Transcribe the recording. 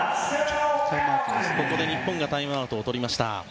日本がタイムアウトをとりました。